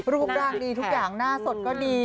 รูปร่างดีทุกอย่างหน้าสดก็ดี